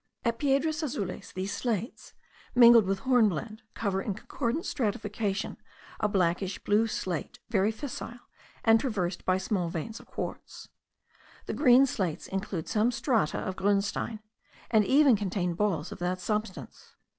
At Piedras Azules these slates, mingled with hornblende, cover in concordant stratification a blackish blue slate, very fissile, and traversed by small veins of quartz. The green slates include some strata of grunstein, and even contain balls of that substance.